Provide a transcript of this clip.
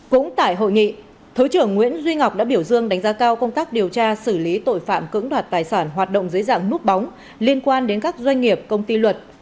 cũng tại hội nghị thứ trưởng nguyễn duy ngọc đã biểu dương đánh giá cao công tác điều tra xử lý tội phạm cưỡng đoạt tài sản hoạt động dưới dạng núp bóng liên quan đến các doanh nghiệp công ty luật